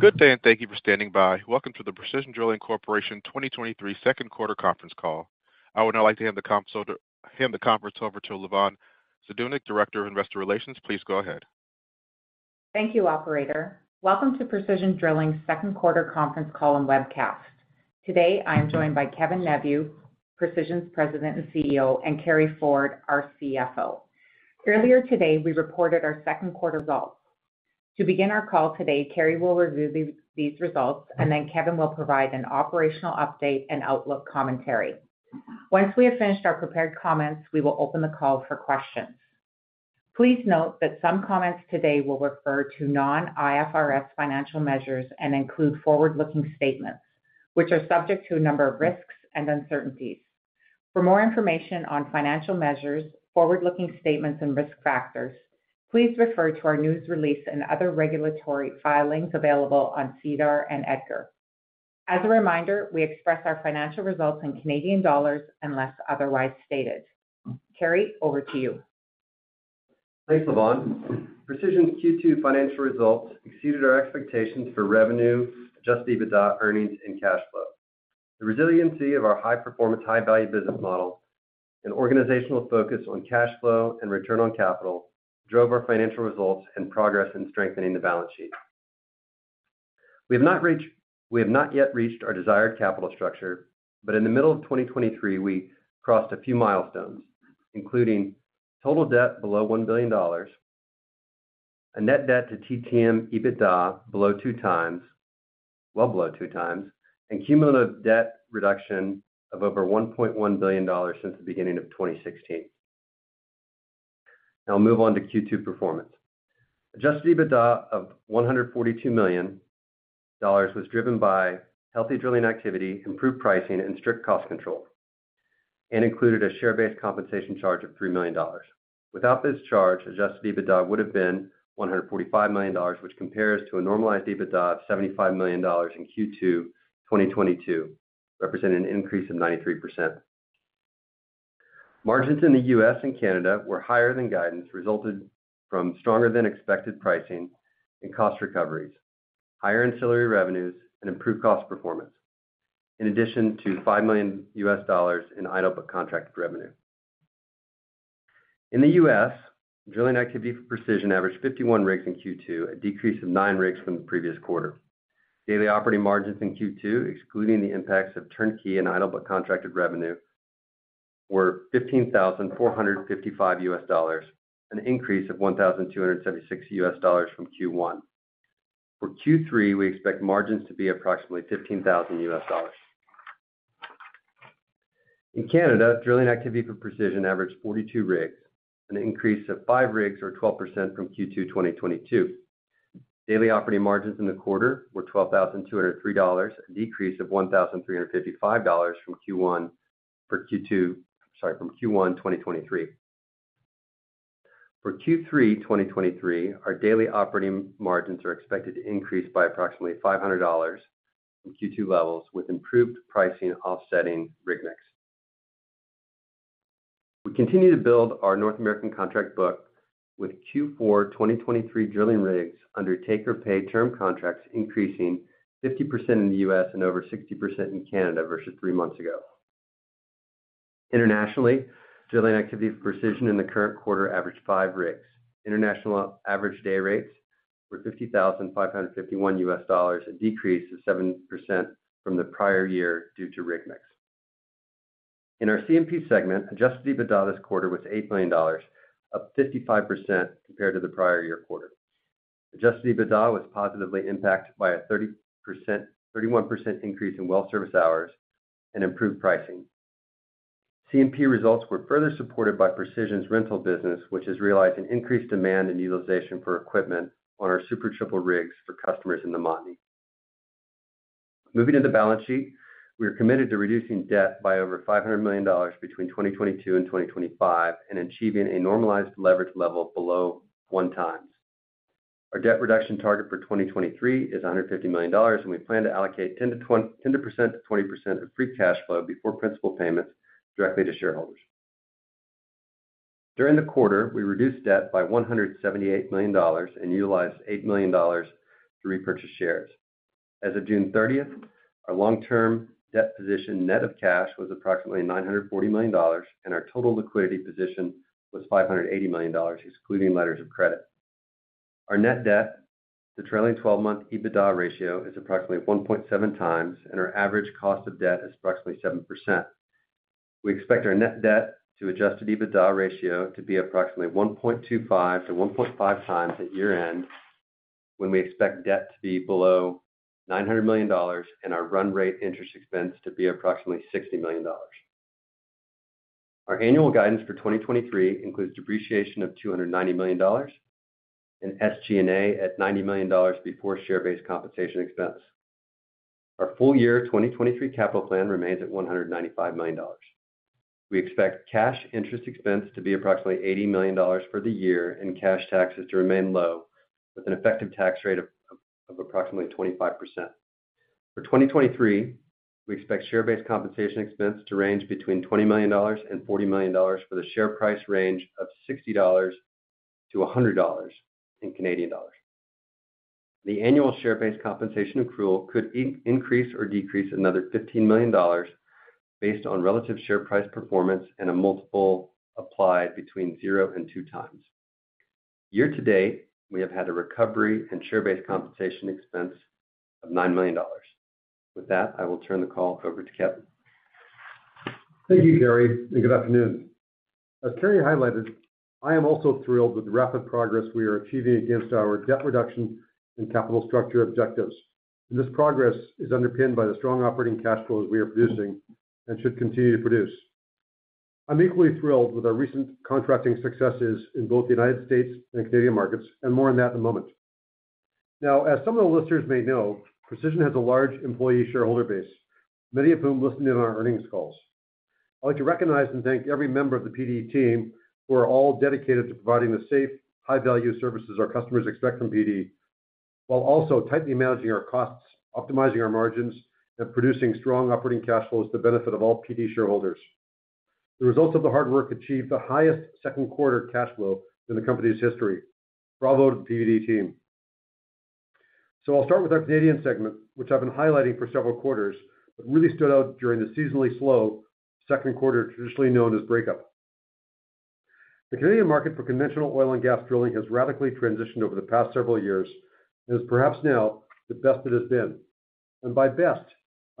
Good day. Thank you for standing by. Welcome to the Precision Drilling Corporation 2023 second quarter conference call. I would now like to hand the conference over to Lavonne Zdunich, Director of Investor Relations. Please go ahead. Thank you, operator. Welcome to Precision Drilling's second quarter conference call and webcast. Today, I am joined by Kevin Neveu, Precision's President and CEO, and Carey Ford, our CFO. Earlier today, we reported our second quarter results. To begin our call today, Carey will review these results, and then Kevin will provide an operational update and outlook commentary. Once we have finished our prepared comments, we will open the call for questions. Please note that some comments today will refer to non-IFRS financial measures and include forward-looking statements, which are subject to a number of risks and uncertainties. For more information on financial measures, forward-looking statements and risk factors, please refer to our news release and other regulatory filings available on SEDAR and EDGAR. As a reminder, we express our financial results in Canadian dollars unless otherwise stated. Carey, over to you. Thanks, Lavonne. Precision's Q2 financial results exceeded our expectations for revenue, Adjusted EBITDA, earnings, and cash flow. The resiliency of our high-performance, high-value business model and organizational focus on cash flow and return on capital drove our financial results and progress in strengthening the balance sheet. We have not yet reached our desired capital structure, but in the middle of 2023, we crossed a few milestones, including total debt below 1 billion dollars, a net debt to TTM EBITDA below 2x, well below 2x, and cumulative debt reduction of over 1.1 billion dollars since the beginning of 2016. I'll move on to Q2 performance. Adjusted EBITDA of 142 million dollars was driven by healthy drilling activity, improved pricing, and strict cost control, and included a share-based compensation charge of 3 million dollars. Without this charge, Adjusted EBITDA would have been 145 million dollars, which compares to a normalized EBITDA of 75 million dollars in Q2 2022, representing an increase of 93%. Margins in the U.S. and Canada were higher than guidance, resulted from stronger than expected pricing and cost recoveries, higher ancillary revenues, and improved cost performance, in addition to $5 million in idle but contracted revenue. In the U.S., drilling activity for Precision averaged 51 rigs in Q2, a decrease of nine rigs from the previous quarter. Daily operating margins in Q2, excluding the impacts of turnkey and idle but contracted revenue, were $15,455, an increase of $1,276 from Q1. For Q3, we expect margins to be approximately $15,000. In Canada, drilling activity for Precision averaged 42 rigs, an increase of five rigs or 12% from Q2 2022. Daily operating margins in the quarter were 12,203 dollars, a decrease of 1,355 dollars for Q2 from Q1 2023. For Q3 2023, our daily operating margins are expected to increase by approximately 500 dollars from Q2 levels, with improved pricing offsetting rig mix. We continue to build our North American contract book with Q4 2023 drilling rigs under take-or-pay term contracts, increasing 50% in the U.S. and over 60% in Canada versus three months ago. Internationally, drilling activity for Precision in the current quarter averaged five rigs. International average day rates were $50,551, a decrease of 7% from the prior year due to rig mix. In our CMP segment, Adjusted EBITDA this quarter was 8 million dollars, up 55% compared to the prior year quarter. Adjusted EBITDA was positively impacted by a 31% increase in well service hours and improved pricing. CMP results were further supported by Precision's rental business, which has realized an increased demand and utilization for equipment on our Super Triple rigs for customers in the Montney. Moving to the balance sheet, we are committed to reducing debt by over 500 million dollars between 2022 and 2025 and achieving a normalized leverage level below 1x. Our debt reduction target for 2023 is 150 million dollars. We plan to allocate 10% to 20% of free cash flow before principal payments directly to shareholders. During the quarter, we reduced debt by 178 million dollars and utilized 8 million dollars to repurchase shares. As of June 30th, our long-term debt position, net of cash, was approximately 940 million dollars, and our total liquidity position was 580 million dollars, excluding letters of credit. Our net debt to trailing twelve-month EBITDA ratio is approximately 1.7x, and our average cost of debt is approximately 7%. We expect our net debt to Adjusted EBITDA ratio to be approximately 1.25x-1.5x at year-end, when we expect debt to be below 900 million dollars and our run rate interest expense to be approximately 60 million dollars. Our annual guidance for 2023 includes depreciation of 290 million dollars and SG&A at 90 million dollars before share-based compensation expense. Our full year 2023 capital plan remains at 195 million dollars. We expect cash interest expense to be approximately 80 million dollars for the year and cash taxes to remain low, with an effective tax rate of approximately 25%. For 2023, we expect share-based compensation expense to range between 20 million dollars and 40 million dollars for the share price range of 60-100 dollars. The annual share-based compensation accrual could increase or decrease another 15 million dollars based on relative share price performance and a multiple applied between zero and 2x. Year to date, we have had a recovery and share-based compensation expense of 9 million dollars. With that, I will turn the call over to Kevin. Thank you, Carey, and good afternoon. As Carey highlighted, I am also thrilled with the rapid progress we are achieving against our debt reduction and capital structure objectives. This progress is underpinned by the strong operating cash flows we are producing and should continue to produce. I'm equally thrilled with our recent contracting successes in both the United States and Canadian markets, and more on that in a moment. Now, as some of the listeners may know, Precision has a large employee shareholder base, many of whom listen in on our earnings calls. I'd like to recognize and thank every member of the PD team, who are all dedicated to providing the safe, high-value services our customers expect from PD, while also tightly managing our costs, optimizing our margins, and producing strong operating cash flows to benefit of all PD shareholders. The results of the hard work achieved the highest second quarter cash flow in the company's history. Bravo to the PD team! I'll start with our Canadian segment, which I've been highlighting for several quarters, but really stood out during the seasonally slow second quarter, traditionally known as breakup. The Canadian market for conventional oil and gas drilling has radically transitioned over the past several years and is perhaps now the best it has been. By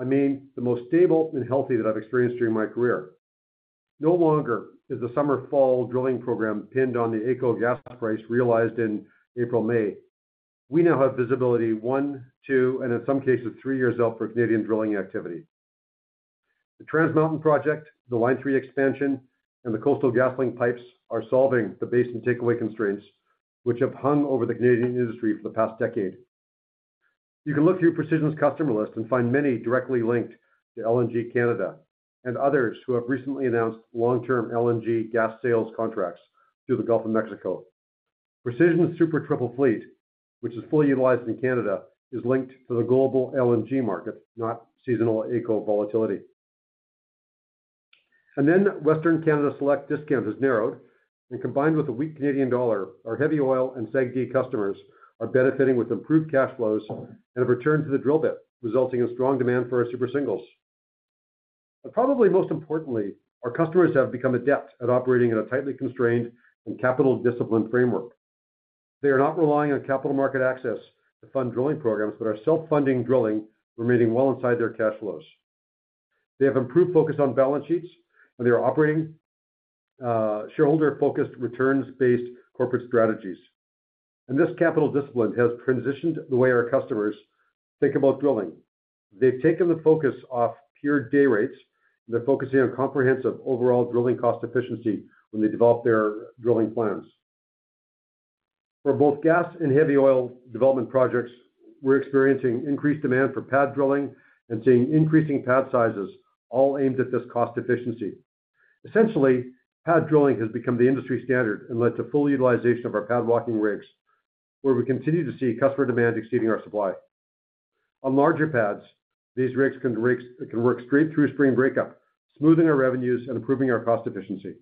best, I mean the most stable and healthy that I've experienced during my career. No longer is the summer/fall drilling program pinned on the AECO gas price realized in April/May. We now have visibility one, two, and in some cases, three years out for Canadian drilling activity. The Trans Mountain project, the Line 3 expansion, and the Coastal GasLink pipes are solving the basin takeaway constraints, which have hung over the Canadian industry for the past decade. You can look through Precision's customer list and find many directly linked to LNG Canada and others who have recently announced long-term LNG gas sales contracts to the Gulf of Mexico. Precision's Super Triple fleet, which is fully utilized in Canada, is linked to the global LNG market, not seasonal AECO volatility. Western Canada Select discount has narrowed, and combined with the weak Canadian dollar, our heavy oil and segment customers are benefiting with improved cash flows and have returned to the drill bit, resulting in strong demand for our Super Singles. Probably most importantly, our customers have become adept at operating in a tightly constrained and capital disciplined framework. They are not relying on capital market access to fund drilling programs, but are self-funding drilling, remaining well inside their cash flows. They have improved focus on balance sheets, they are operating shareholder-focused, returns-based corporate strategies. This capital discipline has transitioned the way our customers think about drilling. They've taken the focus off pure day rates, they're focusing on comprehensive overall drilling cost efficiency when they develop their drilling plans. For both gas and heavy oil development projects, we're experiencing increased demand for pad drilling and seeing increasing pad sizes, all aimed at this cost efficiency. Essentially, pad drilling has become the industry standard and led to full utilization of our pad walking rigs, where we continue to see customer demand exceeding our supply. On larger pads, these rigs can work straight through spring breakup, smoothing our revenues and improving our cost efficiency.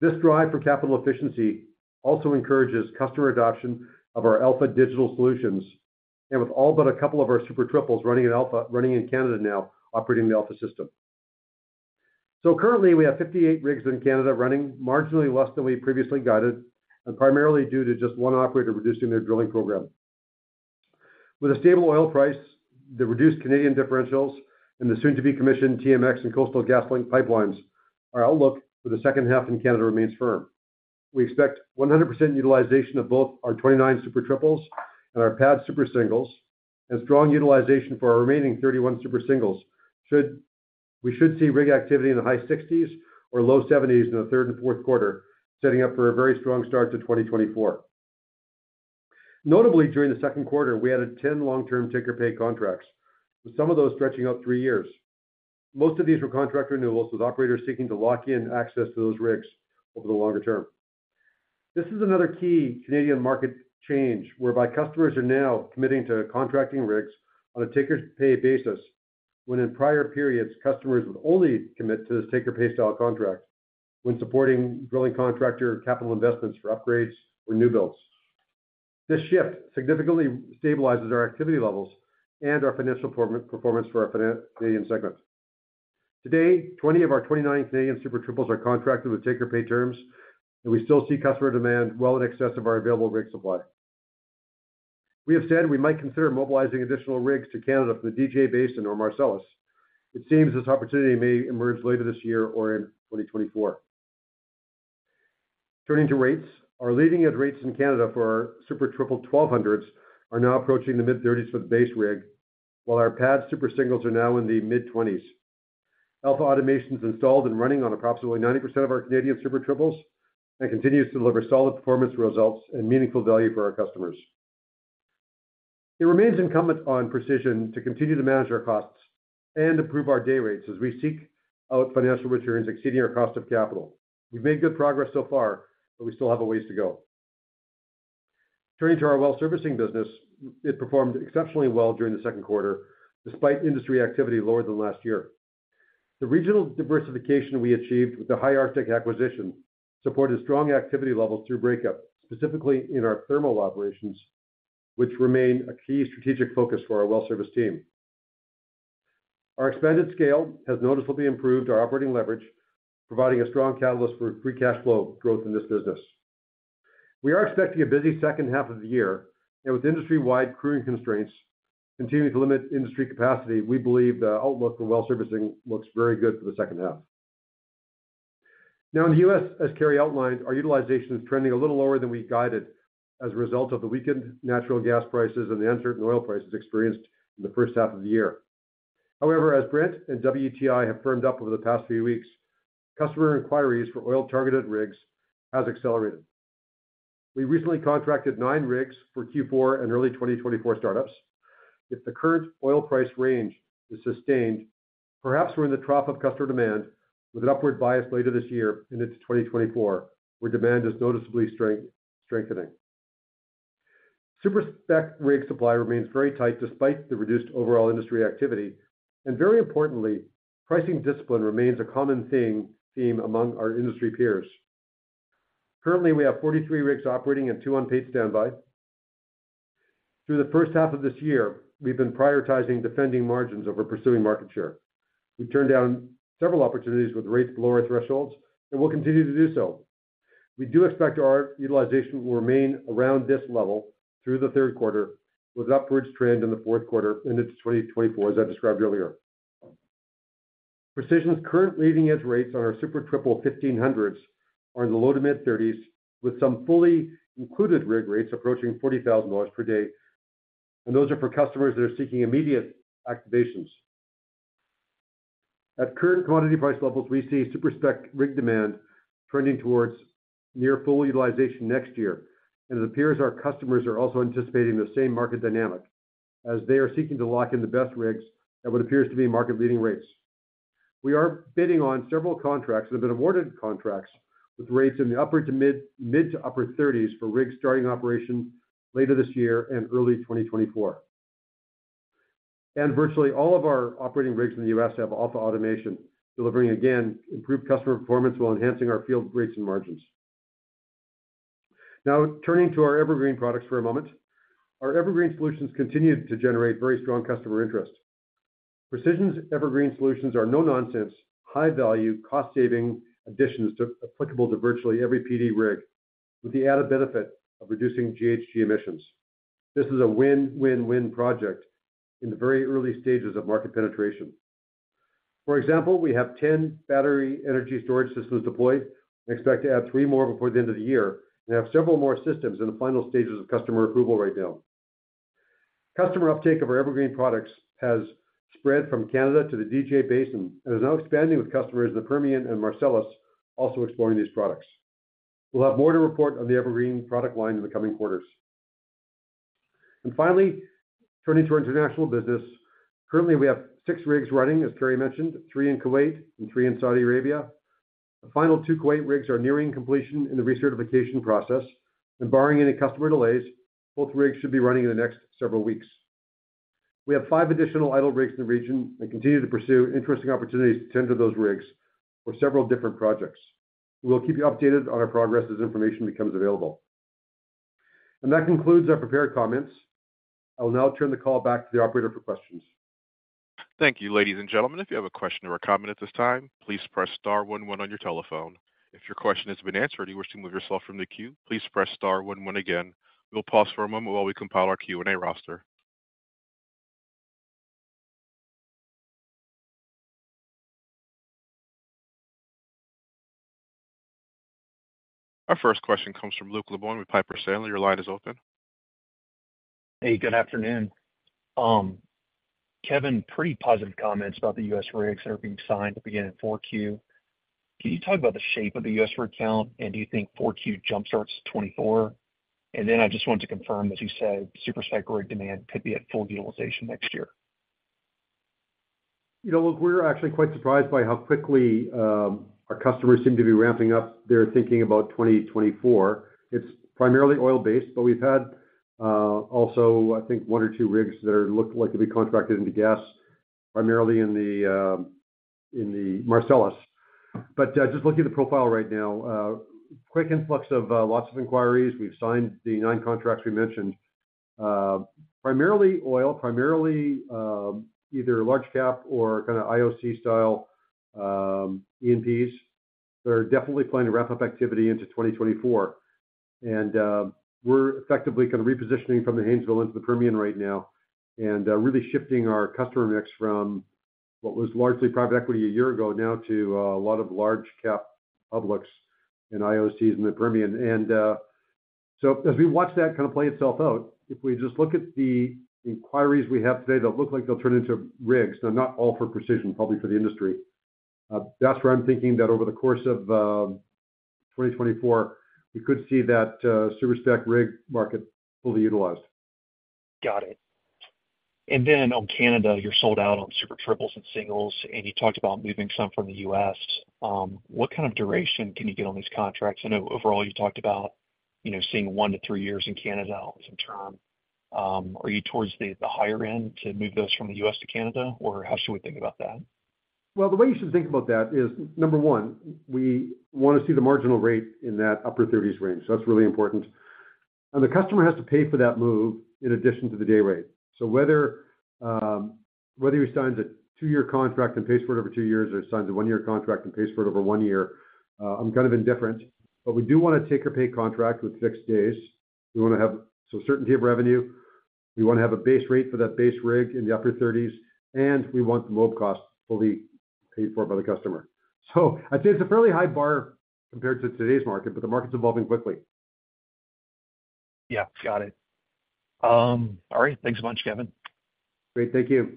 This drive for capital efficiency also encourages customer adoption of our Alpha digital solutions, and with all but a couple of our Super Triples running at Alpha, running in Canada now, operating the Alpha system. Currently, we have 58 rigs in Canada running, marginally less than we previously guided, and primarily due to just one operator reducing their drilling program. With a stable oil price, the reduced Canadian differentials, and the soon-to-be-commissioned TMX and Coastal GasLink pipelines, our outlook for the second half in Canada remains firm. We expect 100% utilization of both our 29 Super Triples and our pad Super Singles, and strong utilization for our remaining 31 Super Singles. We should see rig activity in the high 60s or low 70s in the third and fourth quarter, setting up for a very strong start to 2024. Notably, during the second quarter, we added 10 long-term take-or-pay contracts, with some of those stretching out three years. Most of these were contract renewals, with operators seeking to lock in access to those rigs over the longer term. This is another key Canadian market change, whereby customers are now committing to contracting rigs on a take-or-pay basis, when in prior periods, customers would only commit to this take-or-pay style contract when supporting drilling contractor capital investments for upgrades or new builds. This shift significantly stabilizes our activity levels and our financial performance for our Canadian segment. Today, 20 of our 29 Canadian Super Triples are contracted with take-or-pay terms, and we still see customer demand well in excess of our available rig supply. We have said we might consider mobilizing additional rigs to Canada from the DJ Basin or Marcellus. It seems this opportunity may emerge later this year or in 2024. Turning to rates. Our leading edge rates in Canada for our Super Triple 1200s are now approaching the mid-thirties for the base rig, while our pad Super Singles are now in the mid-twenties. Alpha automation is installed and running on approximately 90% of our Canadian Super Triples, and continues to deliver solid performance results and meaningful value for our customers. It remains incumbent on Precision to continue to manage our costs and improve our day rates as we seek out financial returns exceeding our cost of capital. We've made good progress so far, but we still have a ways to go. Turning to our well servicing business, it performed exceptionally well during the second quarter, despite industry activity lower than last year. The regional diversification we achieved with the High Arctic acquisition supported strong activity levels through breakup, specifically in our thermal operations, which remain a key strategic focus for our well service team. Our expanded scale has noticeably improved our operating leverage, providing a strong catalyst for free cash flow growth in this business. We are expecting a busy second half of the year. With industry-wide crewing constraints continuing to limit industry capacity, we believe the outlook for well servicing looks very good for the second half. Now in the U.S., as Carey outlined, our utilization is trending a little lower than we guided as a result of the weakened natural gas prices and the uncertain oil prices experienced in the first half of the year. As Brent and WTI have firmed up over the past few weeks, customer inquiries for oil-targeted rigs has accelerated. We recently contracted nine rigs for Q4 and early 2024 startups. If the current oil price range is sustained, perhaps we're in the trough of customer demand, with an upward bias later this year into 2024, where demand is noticeably strengthening. Super-spec rig supply remains very tight despite the reduced overall industry activity, and very importantly, pricing discipline remains a common theme among our industry peers. Currently, we have 43 rigs operating and two on paid standby. Through the first half of this year, we've been prioritizing defending margins over pursuing market share. We turned down several opportunities with rates below our thresholds and will continue to do so. We do expect our utilization will remain around this level through the third quarter, with an upwards trend in the fourth quarter into 2024, as I described earlier. Precision's current leading-edge rates on our Super Triple 1500s are in the low to mid-30s, with some fully included rig rates approaching 40,000 dollars per day. Those are for customers that are seeking immediate activations. At current commodity price levels, we see super-spec rig demand trending towards near full utilization next year. It appears our customers are also anticipating the same market dynamic as they are seeking to lock in the best rigs at what appears to be market-leading rates. We are bidding on several contracts that have been awarded contracts with rates in the upward to mid to upper 30s for rigs starting operations later this year and early 2024. Virtually all of our operating rigs in the U.S. have Alpha automation, delivering, again, improved customer performance while enhancing our field rates and margins. Turning to our EverGreen products for a moment. Our EverGreen solutions continued to generate very strong customer interest. Precision's EverGreen solutions are no-nonsense, high-value, cost-saving additions to applicable to virtually every PD rig, with the added benefit of reducing GHG emissions. This is a win-win-win project in the very early stages of market penetration. For example, we have 10 battery energy storage systems deployed and expect to add three more before the end of the year, and have several more systems in the final stages of customer approval right now. Customer uptake of our EverGreen products has spread from Canada to the DJ Basin and is now expanding, with customers in the Permian and Marcellus also exploring these products. We'll have more to report on the EverGreen product line in the coming quarters. Finally, turning to our international business. Currently, we have six rigs running, as Carey mentioned, three in Kuwait and three in Saudi Arabia. The final two Kuwait rigs are nearing completion in the recertification process, and barring any customer delays, both rigs should be running in the next several weeks. We have five additional idle rigs in the region and continue to pursue interesting opportunities to tender those rigs for several different projects. We'll keep you updated on our progress as information becomes available. That concludes our prepared comments. I'll now turn the call back to the operator for questions. Thank you, ladies and gentlemen. If you have a question or a comment at this time, please press star one one on your telephone. If your question has been answered and you wish to remove yourself from the queue, please press star one one again. We'll pause for a moment while we compile our Q&A roster. Our first question comes from Luke Lemoine with Piper Sandler. Your line is open. Hey, good afternoon. Kevin, pretty positive comments about the U.S. rigs that are being signed to begin in 4Q. Can you talk about the shape of the U.S. rig count, and do you think 4Q jumpstarts 2024? Then I just wanted to confirm, as you said, super-spec rig demand could be at full utilization next year. You know, look, we're actually quite surprised by how quickly our customers seem to be ramping up their thinking about 2024. It's primarily oil-based, we've had also, I think, one or two rigs that are looked like to be contracted into gas, primarily in the Marcellus. Just looking at the profile right now, quick influx of lots of inquiries. We've signed the 9 contracts we mentioned. Primarily oil, primarily, either large cap or kind of IOC style E&Ps. They're definitely planning to wrap up activity into 2024. We're effectively kind of repositioning from the Haynesville into the Permian right now and really shifting our customer mix from what was largely private equity 1 year ago now to a lot of large cap publics and IOCs in the Permian. As we watch that kind of play itself out, if we just look at the inquiries we have today, that look like they'll turn into rigs, though not all for Precision, probably for the industry, that's where I'm thinking that over the course of 2024, we could see that super-spec rig market fully utilized. Got it. On Canada, you're sold out on Super Triples and Super Singles, and you talked about moving some from the U.S. What kind of duration can you get on these contracts? I know overall you talked about, you know, seeing 1-3 years in Canada on some term. Are you towards the higher end to move those from the U.S. to Canada, or how should we think about that? The way you should think about that is, number 1, we wanna see the marginal rate in that upper 30s range. That's really important. The customer has to pay for that move in addition to the day rate. Whether he signs a 2-year contract and pays for it over two years, or signs a 1-year contract and pays for it over 1 year, I'm kind of indifferent. We do want a take-or-pay contract with 6 days. We wanna have some certainty of revenue. We wanna have a base rate for that base rig in the upper 30s, and we want the mob cost fully paid for by the customer. I'd say it's a fairly high bar compared to today's market, but the market's evolving quickly. Yeah, got it. All right. Thanks so much, Kevin. Great. Thank you.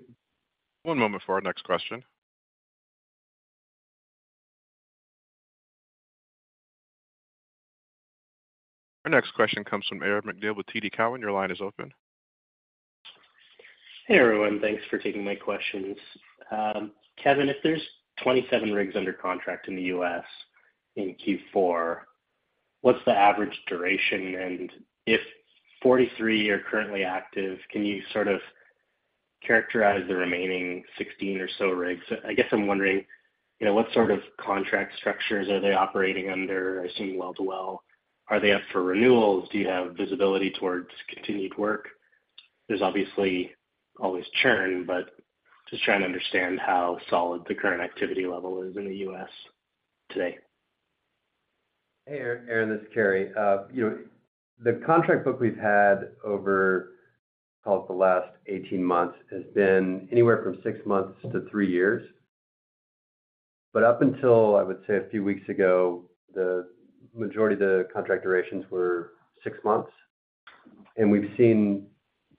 One moment for our next question. Our next question comes from Aaron MacNeil with TD Cowen. Your line is open. Hey, everyone. Thanks for taking my questions. Kevin, if there's 27 rigs under contract in the U.S. in Q4, what's the average duration? If 43 are currently active, can you sort of characterize the remaining 16 or so rigs? I guess I'm wondering, you know, what sort of contract structures are they operating under? I assume well to well. Are they up for renewals? Do you have visibility towards continued work? There's obviously always churn, but just trying to understand how solid the current activity level is in the U.S. today. Hey, Aaron, this is Carey. you know, the contract book we've had over, call it, the last 18 months, has been anywhere from 6 months to three years. Up until, I would say, a few weeks ago, the majority of the contract durations were 6 months, and we've seen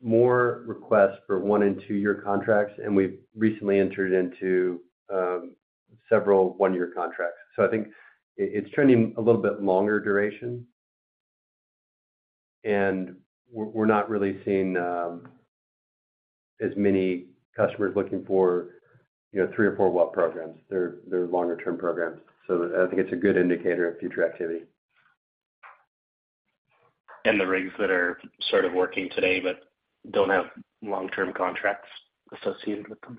more requests for 1 and 2-year contracts, and we've recently entered into, several 1-year contracts. I think it's trending a little bit longer duration, and we're not really seeing as many customers looking for, you know, 3 or 4 well programs. They're longer-term programs. I think it's a good indicator of future activity. The rigs that are sort of working today, but don't have long-term contracts associated with them?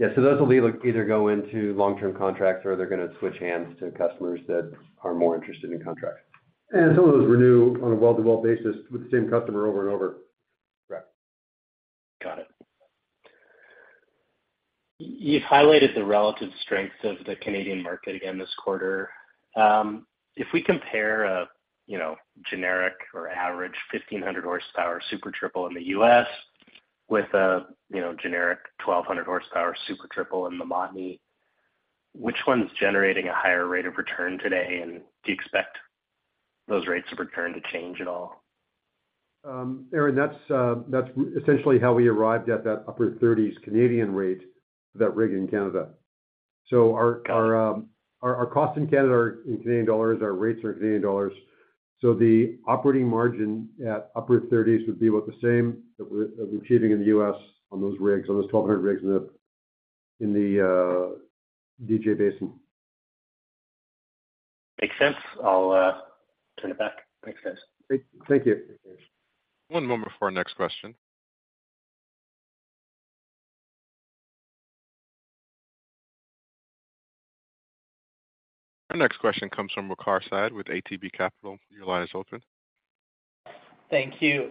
Yeah. Those will either go into long-term contracts, or they're gonna switch hands to customers that are more interested in contracts. Some of those renew on a well-to-well basis with the same customer over and over. Correct. Got it. You've highlighted the relative strengths of the Canadian market again this quarter. If we compare a, you know, generic or average 1,500 horsepower Super Triple in the U.S. with a, you know, generic 1,200 horsepower Super Triple in the Montney, which one's generating a higher rate of return today, and do you expect those rates of return to change at all? Aaron, that's essentially how we arrived at that upper 30s Canadian rate for that rig in Canada. Our costs in Canada are in Canadian dollars. Our rates are in Canadian dollars. The operating margin at upper CAD 30s would be about the same that we're achieving in the U.S. on those rigs, on those 1,200 rigs in the DJ Basin. Makes sense. I'll turn it back. Thanks, guys. Thank you. One moment before our next question. Our next question comes from Waqar Syed with ATB Capital. Your line is open. Thank you.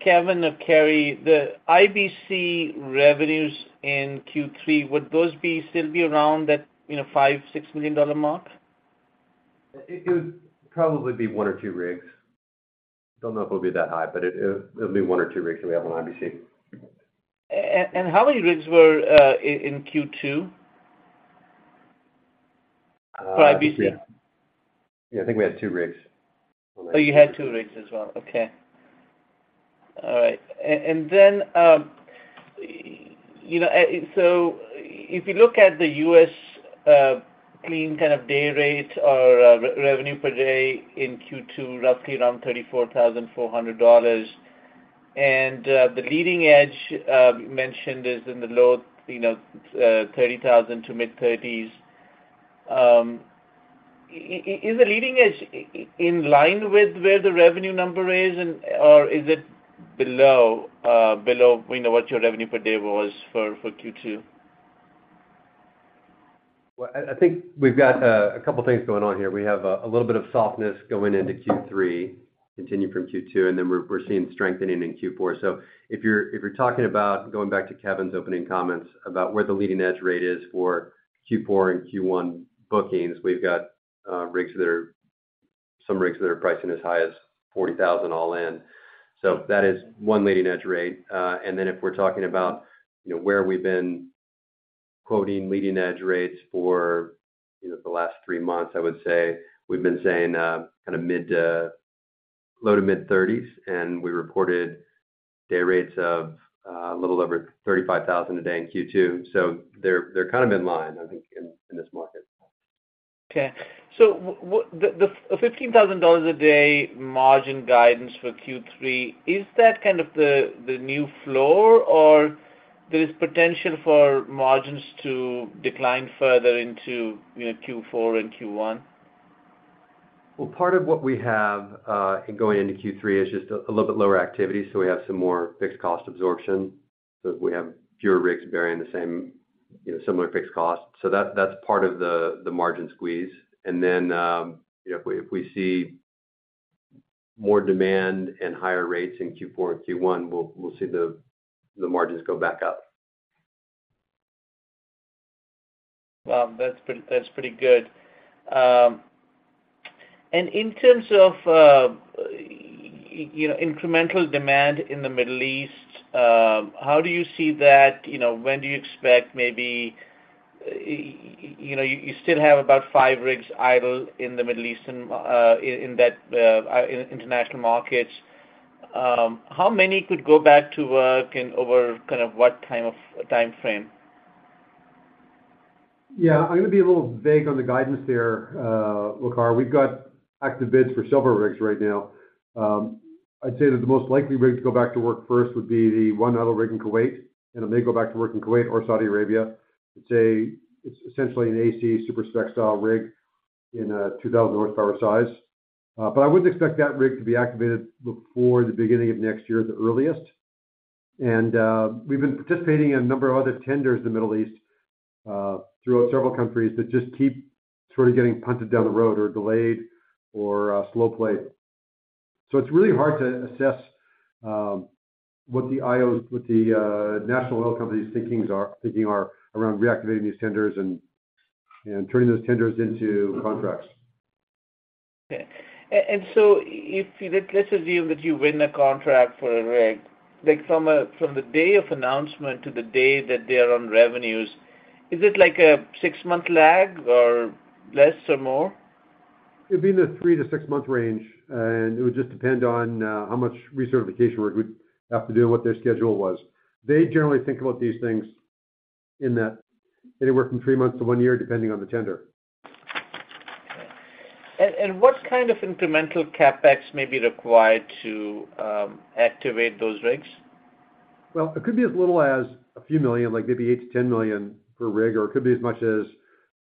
Kevin or Carey, the IBC revenues in Q3, would those still be around that, 5 million-6 million dollar mark? It would probably be one or two rigs. Don't know if it'll be that high, but it'll be one or two rigs that we have on IBC. How many rigs were in Q2 for IBC? Yeah, I think we had two rigs. Oh, you had two rigs as well. Okay. All right. You know, if you look at the U.S., clean kind of day rate or revenue per day in Q2, roughly around 34,400 dollars, and the leading edge, you mentioned, is in the low, you know, 30,000 to mid-30s. Is the leading edge in line with where the revenue number is, and or is it below, we know what your revenue per day was for Q2? Well, I think we've got a couple things going on here. We have a little bit of softness going into Q3, continuing from Q2, we're seeing strengthening in Q4. If you're talking about going back to Kevin's opening comments about where the leading-edge rate is for Q4 and Q1 bookings, we've got rigs that are pricing as high as 40,000 all-in. That is one leading-edge rate. If we're talking about, you know, where we've been quoting leading-edge rates for, you know, the last 3 months, I would say we've been saying kind of mid, low to mid thirties, and we reported day rates of a little over 35,000 a day in Q2. They're kind of in line, I think, in this market. Okay, what, the 15,000 dollars a day margin guidance for Q3, is that kind of the new floor, or there is potential for margins to decline further into, you know, Q4 and Q1? Part of what we have in going into Q3 is just a little bit lower activity, so we have some more fixed cost absorption. We have fewer rigs bearing the same, you know, similar fixed costs. That's part of the margin squeeze. You know, if we see more demand and higher rates in Q4 and Q1, we'll see the margins go back up. That's pretty good. In terms of, you know, incremental demand in the Middle East, how do you see that? You know, when do you expect maybe, you know, you still have about five rigs idle in the Middle East and in that in international markets. How many could go back to work and over kind of what kind of timeframe? I'm gonna be a little vague on the guidance there, Waqar. We've got active bids for several rigs right now. I'd say that the most likely rig to go back to work first would be the one idle rig in Kuwait, and it may go back to work in Kuwait or Saudi Arabia. It's essentially an AC super-spec style rig in a 2,000 horsepower size. I would expect that rig to be activated before the beginning of next year, at the earliest. We've been participating in a number of other tenders in the Middle East throughout several countries that just keep sort of getting punted down the road or delayed or slow-played. It's really hard to assess, what the national oil companies' thinking are around reactivating these tenders and turning those tenders into contracts. Okay. So if let's assume that you win a contract for a rig. Like from the day of announcement to the day that they are on revenues, is it like a 6-month lag or less or more? It'd be in the three to 6-month range, and it would just depend on how much recertification work we'd have to do and what their schedule was. They generally think about these things in that anywhere from three months to one year, depending on the tender. Okay. What kind of incremental CapEx may be required to activate those rigs? It could be as little as a few million, like maybe 8 million-10 million per rig, or it could be as much as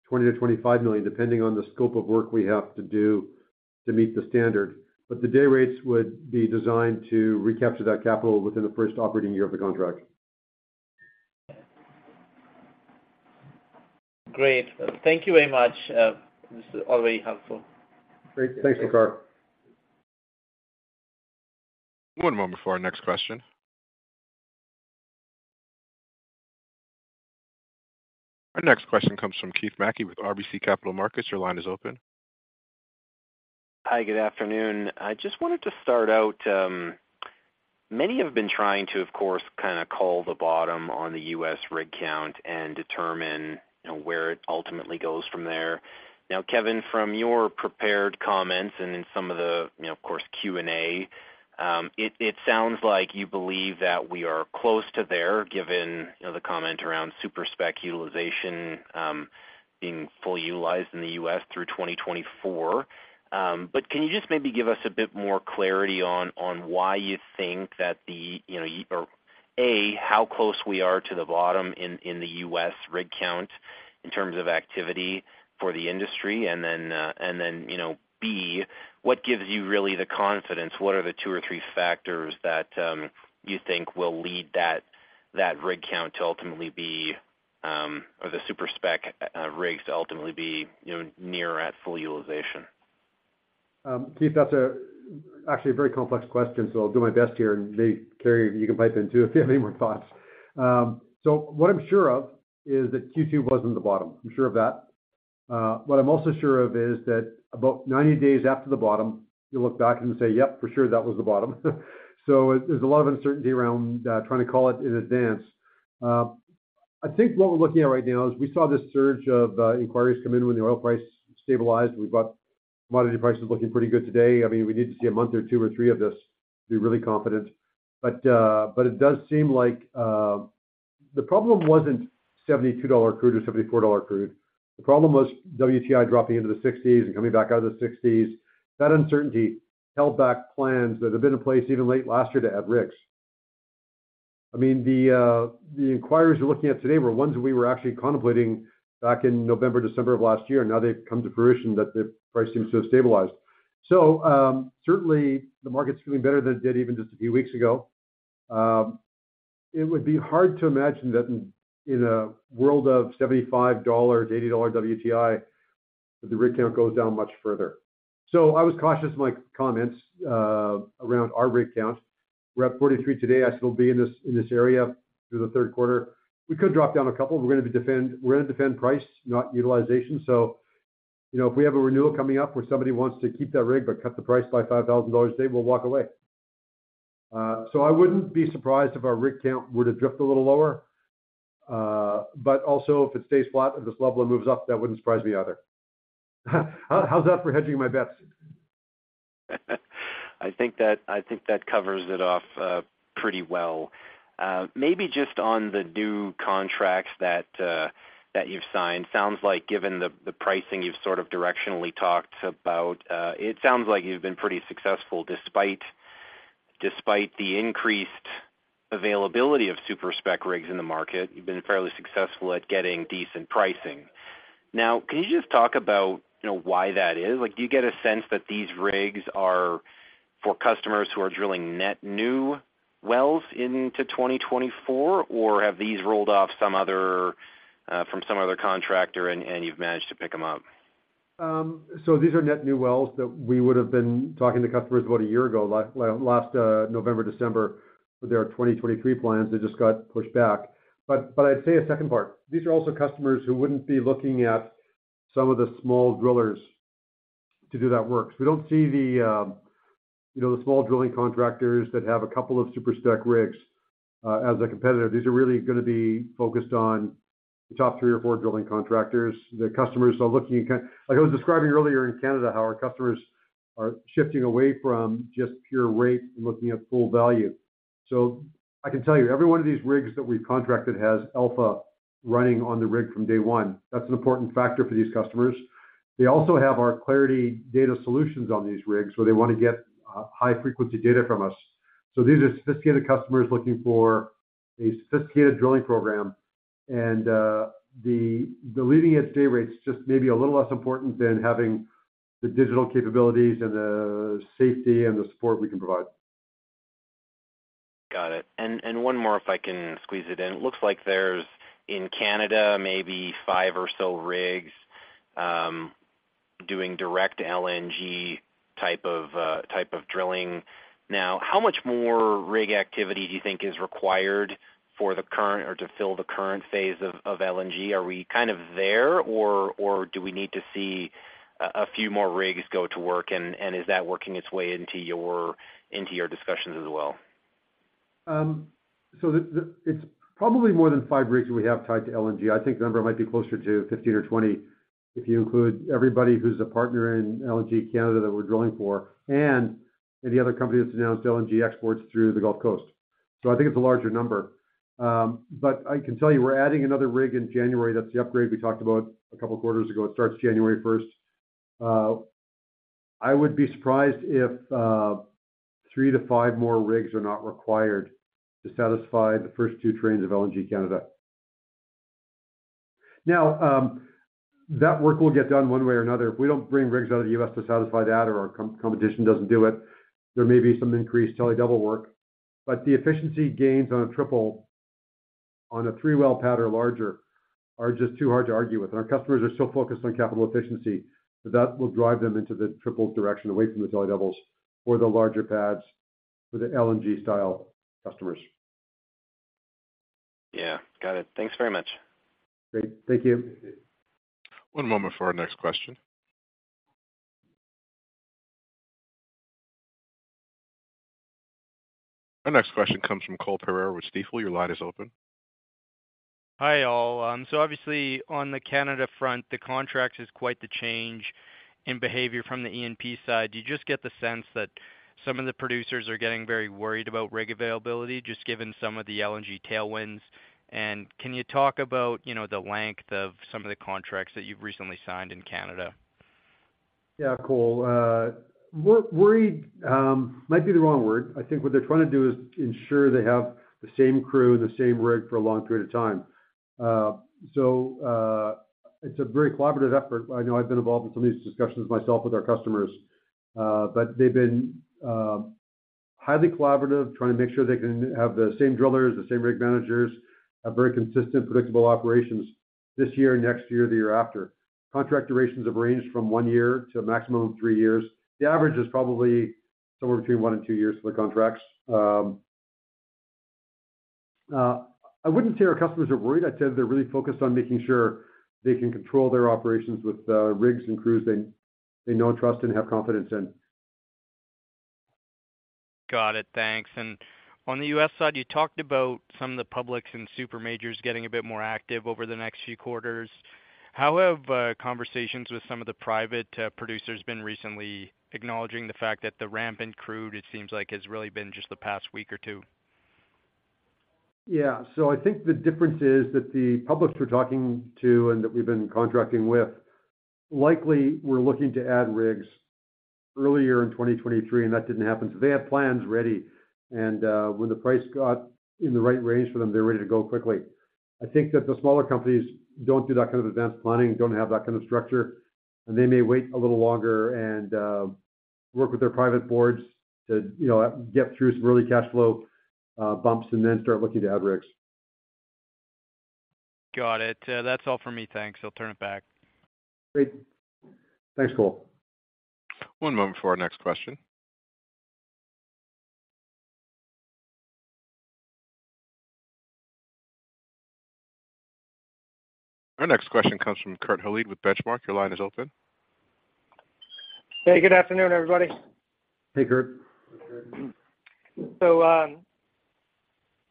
20 million-25 million, depending on the scope of work we have to do to meet the standard. The day rates would be designed to recapture that capital within the first operating year of the contract. Great. Thank you very much. This is all very helpful. Great. Thanks, Waqar. One moment for our next question. Our next question comes from Keith Mackey with RBC Capital Markets. Your line is open. Hi, good afternoon. I just wanted to start out, many have been trying to, of course, kind of call the bottom on the U.S. rig count and determine, you know, where it ultimately goes from there. Kevin, from your prepared comments and in some of the, you know, of course, Q&A, it sounds like you believe that we are close to there, given, you know, the comment around super-spec utilization, being fully utilized in the U.S. through 2024. Can you just maybe give us a bit more clarity on why you think that the, you know, or, A, how close we are to the bottom in the U.S. rig count in terms of activity for the industry? Then, B, what gives you really the confidence? What are the two or three factors that, you think will lead that rig count to ultimately be, or the super-spec rigs to ultimately be, you know, near at full utilization? Keith, that's actually a very complex question, so I'll do my best here. Maybe, Carey, you can pipe in, too, if you have any more thoughts. What I'm sure of is that Q2 wasn't the bottom. I'm sure of that. What I'm also sure of is that about 90 days after the bottom, you'll look back and say: Yep, for sure, that was the bottom. There's a lot of uncertainty around trying to call it in advance. I think what we're looking at right now is we saw this surge of inquiries come in when the oil price stabilized, and we've got commodity prices looking pretty good today. I mean, we need to see a month or two or three of this to be really confident. It does seem like the problem wasn't 72 dollar crude or 74 dollar crude. The problem was WTI dropping into the CAD 60s and coming back out of the CAD 60s. That uncertainty held back plans that had been in place even late last year to add rigs. I mean, the inquirers you're looking at today were ones we were actually contemplating back in November, December of last year. Now they've come to fruition that the price seems to have stabilized. Certainly, the market's feeling better than it did even just a few weeks ago. It would be hard to imagine that in a world of 75-80 dollars WTI, that the rig count goes down much further. I was cautious in my comments around our rig count. We're at 43 today. I said it'll be in this, in this area through the third quarter. We could drop down a couple. We're gonna defend price, not utilization. You know, if we have a renewal coming up where somebody wants to keep that rig but cut the price by 5,000 dollars a day, we'll walk away. I wouldn't be surprised if our rig count were to drift a little lower, but also, if it stays flat at this level and moves up, that wouldn't surprise me either. How's that for hedging my bets? I think that covers it off pretty well. Maybe just on the new contracts that you've signed. Sounds like given the pricing you've sort of directionally talked about, it sounds like you've been pretty successful despite the increased availability of super-spec rigs in the market, you've been fairly successful at getting decent pricing. Can you just talk about, you know, why that is? Like, do you get a sense that these rigs are for customers who are drilling net new wells into 2024, or have these rolled off some other from some other contractor and you've managed to pick them up? These are net new wells that we would have been talking to customers about a year ago, last November, December, with their 2023 plans, they just got pushed back. I'd say a second part, these are also customers who wouldn't be looking at some of the small drillers to do that work. We don't see the, you know, the small drilling contractors that have a couple of super-spec rigs as a competitor. These are really going to be focused on the top three or four drilling contractors. The customers are looking at, like I was describing earlier in Canada, how our customers are shifting away from just pure rate and looking at full value. I can tell you, every one of these rigs that we've contracted has Alpha running on the rig from day 1. That's an important factor for these customers. They also have our Clarity data solutions on these rigs, so they want to get high-frequency data from us. These are sophisticated customers looking for a sophisticated drilling program, and the leading-edge day rates just maybe a little less important than having the digital capabilities and the safety and the support we can provide. Got it. One more, if I can squeeze it in. It looks like there's, in Canada, maybe five or so rigs, doing direct LNG type of drilling. How much more rig activity do you think is required for the current or to fill the current phase of LNG? Are we kind of there, or do we need to see a few more rigs go to work? Is that working its way into your discussions as well? it's probably more than five rigs that we have tied to LNG. I think the number might be closer to 15 or 20, if you include everybody who's a partner in LNG Canada that we're drilling for, and any other company that's announced LNG exports through the Gulf Coast. I think it's a larger number. I can tell you, we're adding another rig in January. That's the upgrade we talked about a couple of quarters ago. It starts January 1st. I would be surprised if three to five more rigs are not required to satisfy the first two trains of LNG Canada. That work will get done one way or another. If we don't bring rigs out of the U.S. to satisfy that, or our competition doesn't do it, there may be some increased double work, but the efficiency gains on a triple, on a three-well pad or larger, are just too hard to argue with. Our customers are so focused on capital efficiency, that will drive them into the triple direction, away from the double doubles for the larger pads, for the LNG-style customers. Yeah, got it. Thanks very much. Great. Thank you. One moment for our next question. Our next question comes from Cole Pereira with Stifel. Your line is open. Hi, all. Obviously, on the Canada front, the contract is quite the change in behavior from the E&P side. Do you just get the sense that some of the producers are getting very worried about rig availability, just given some of the LNG tailwinds? Can you talk about, you know, the length of some of the contracts that you've recently signed in Canada? Yeah, Cole. worried might be the wrong word. I think what they're trying to do is ensure they have the same crew, the same rig, for a long period of time. It's a very collaborative effort. I know I've been involved in some of these discussions myself with our customers. They've been highly collaborative, trying to make sure they can have the same drillers, the same rig managers, a very consistent, predictable operations this year, next year, the year after. Contract durations have ranged from one year to a maximum of three years. The average is probably somewhere between one and two years for the contracts. I wouldn't say our customers are worried. I'd say they're really focused on making sure they can control their operations with rigs and crews they know and trust and have confidence in. Got it. Thanks. On the U.S. side, you talked about some of the publics and super majors getting a bit more active over the next few quarters. How have conversations with some of the private producers been recently, acknowledging the fact that the ramp in crude, it seems like, has really been just the past week or two? I think the difference is that the publics we're talking to and that we've been contracting with, likely were looking to add rigs earlier in 2023, and that didn't happen. They had plans ready, and when the price got in the right range for them, they're ready to go quickly. I think that the smaller companies don't do that kind of advanced planning, don't have that kind of structure, and they may wait a little longer and work with their private boards to, you know, get through some early cash flow bumps and then start looking to add rigs. Got it. That's all for me. Thanks. I'll turn it back. Great. Thanks, Cole. One moment for our next question. Our next question comes from Kurt Hallead with Benchmark. Your line is open. Hey, good afternoon, everybody. Hey, Kurt.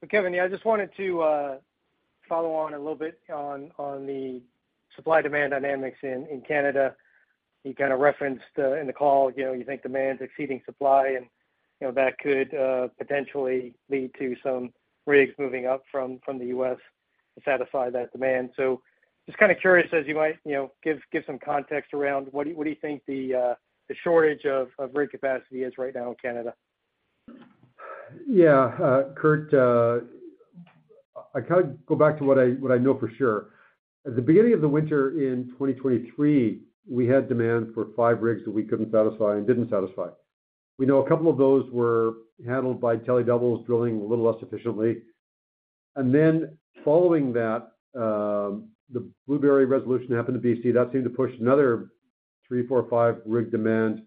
Kevin, yeah, I just wanted to follow on the supply-demand dynamics in Canada. You kind of referenced in the call, you know, you think demand's exceeding supply and, you know, that could potentially lead to some rigs moving up from the U.S. to satisfy that demand. Just kind of curious, as you might, you know, give some context around what do you think the shortage of rig capacity is right now in Canada? Yeah. Kurt, I kind of go back to what I know for sure. At the beginning of the winter in 2023, we had demand for five rigs that we couldn't satisfy and didn't satisfy. We know a couple of those were handled by tele-doubles drilling a little less efficiently. Following that, the Blueberry River solution happened in BC. That seemed to push another 3, 4, 5 rig demand,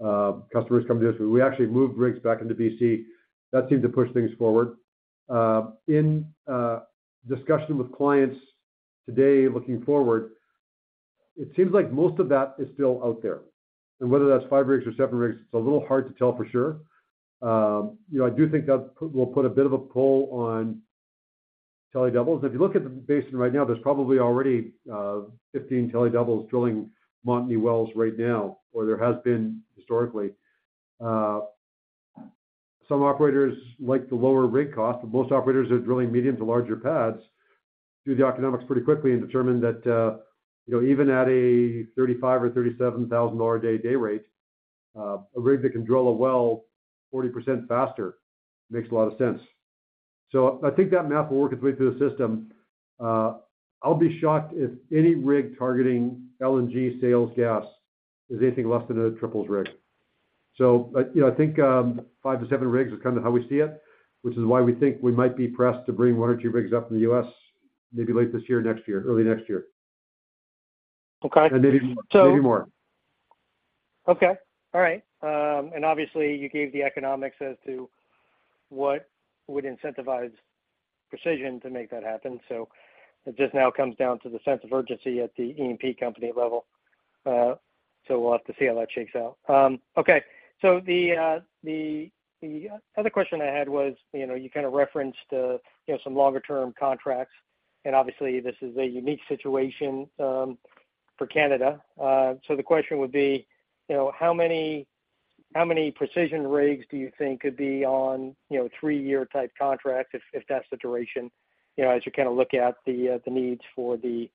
customers come to us. We actually moved rigs back into BC. That seemed to push things forward. In discussion with clients today, looking forward, it seems like most of that is still out there. Whether that's five rigs or seven rigs, it's a little hard to tell for sure. You know, I do think that will put a bit of a pull on tele-doubles. If you look at the basin right now, there's probably already 15 tele-doubles drilling Montney wells right now, or there has been historically. Some operators like the lower rig cost, but most operators are drilling medium to larger pads, do the economics pretty quickly and determine that, you know, even at a 35,000 or 37,000 dollar day, day rate, a rig that can drill a well 40% faster makes a lot of sense. I think that math will work its way through the system. I'll be shocked if any rig targeting LNG sales gas is anything less than a triples rig. You know, I think 5-7 rigs is kind of how we see it, which is why we think we might be pressed to bring one or two rigs up in the U.S. maybe late this year or next year, early next year. Okay. Maybe, maybe more. Okay. All right. And obviously you gave the economics as to what would incentivize Precision to make that happen. It just now comes down to the sense of urgency at the E&P company level. We'll have to see how that shakes out. Okay. The, the other question I had was, you know, you kind of referenced, you know, some longer term contracts, and obviously this is a unique situation, for Canada. The question would be, you know, how many, how many Precision rigs do you think could be on, you know, 3-year type contracts, if that's the duration? You know, as you kind of look at the needs for the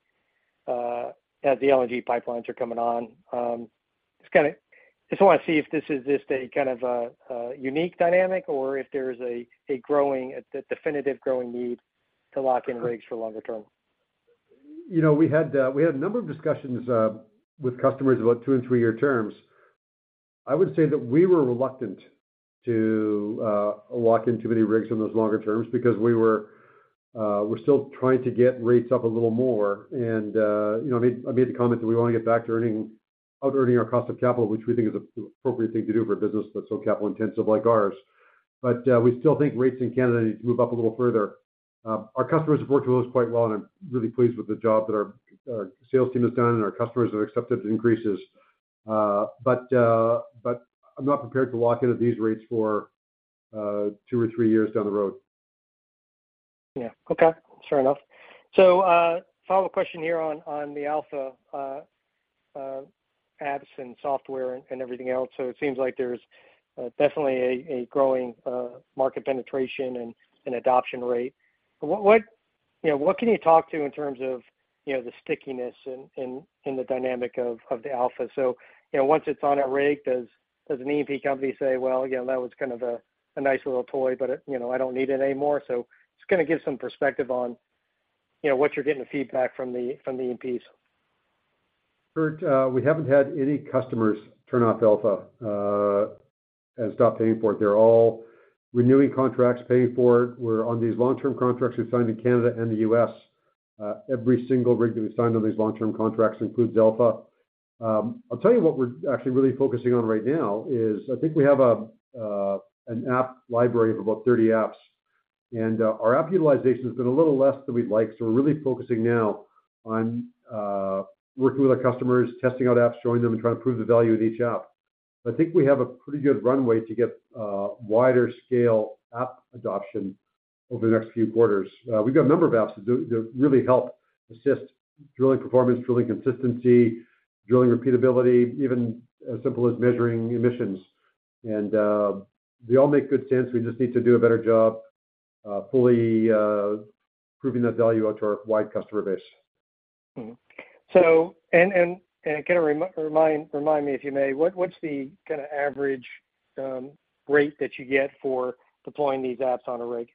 as the LNG pipelines are coming on? Just want to see if this is just a kind of a unique dynamic or if there's a definitive growing need to lock in rigs for longer term. You know, we had a number of discussions with customers about two and three-year terms. I would say that we were reluctant to lock in too many rigs on those longer terms because we're still trying to get rates up a little more. You know, I made the comment that we want to get back to out earning our cost of capital, which we think is an appropriate thing to do for a business that's so capital intensive like ours. We still think rates in Canada need to move up a little further. Our customers have worked with us quite well, and I'm really pleased with the job that our sales team has done, and our customers have accepted the increases. I'm not prepared to lock in at these rates for two or three years down the road. Yeah. Okay, fair enough. Follow-up question here on the Alpha apps and software and everything else. It seems like there's definitely a growing market penetration and an adoption rate. What, you know, what can you talk to in terms of, you know, the stickiness in the dynamic of the Alpha? Once it's on a rig, does an E&P company say, "Well, again, that was kind of a nice little toy, but, you know, I don't need it anymore?" Just kind of give some perspective on, you know, what you're getting feedback from the E&Ps. Kurt, we haven't had any customers turn off Alpha and stop paying for it. They're all renewing contracts, paying for it. We're on these long-term contracts we've signed in Canada and the U.S. Every single rig that we signed on these long-term contracts includes Alpha. I'll tell you what we're actually really focusing on right now is, I think we have an app library of about 30 apps, and our app utilization has been a little less than we'd like. We're really focusing now on working with our customers, testing out apps, showing them, and trying to prove the value of each app. I think we have a pretty good runway to get wider scale app adoption over the next few quarters. We've got a number of apps that really help assist drilling performance, drilling consistency, drilling repeatability, even as simple as measuring emissions. They all make good sense. We just need to do a better job, fully, proving that value out to our wide customer base. And kind of remind me, if you may, what's the kind of average rate that you get for deploying these apps on a rig?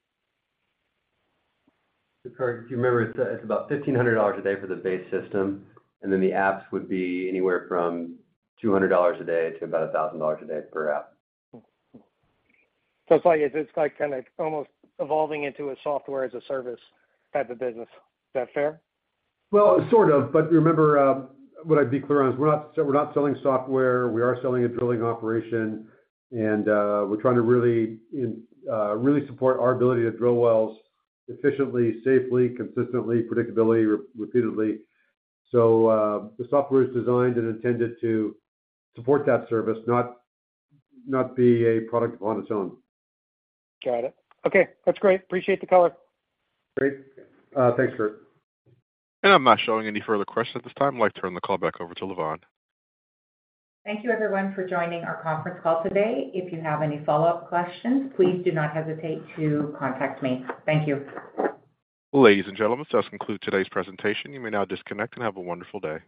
Kurt, if you remember, it's about 1,500 dollars a day for the base system, and then the apps would be anywhere from 200 dollars a day to about 1,000 dollars a day per app. It's like kind of almost evolving into a software as a service type of business. Is that fair? Sort of, but remember, what I'd be clear on is we're not selling software. We are selling a drilling operation, we're trying to really support our ability to drill wells efficiently, safely, consistently, predictably, repeatedly. The software is designed and intended to support that service, not be a product on its own. Got it. Okay, that's great. Appreciate the color. Great. Thanks, Kurt. I'm not showing any further questions at this time. I'd like to turn the call back over to Lavonne. Thank you, everyone, for joining our conference call today. If you have any follow-up questions, please do not hesitate to contact me. Thank you. Ladies and gentlemen, this does conclude today's presentation. You may now disconnect and have a wonderful day.